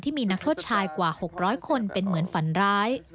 มีนักโทษชายกว่า๖๐๐คนเป็นเหมือนฝันร้าย